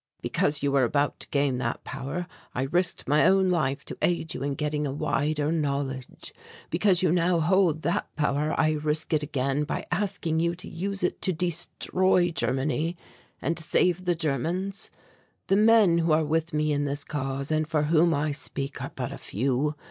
Because you were about to gain that power I risked my own life to aid you in getting a wider knowledge. Because you now hold that power I risk it again by asking you to use it to destroy Germany and save the Germans. The men who are with me in this cause, and for whom I speak, are but a few.